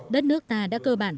đất nước ta đã cơ bản